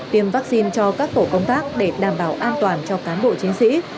tiêm vaccine cho các tổ công tác để đảm bảo an toàn cho cán bộ chiến sĩ